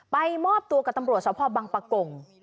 มอบตัวกับตำรวจสพบังปะกง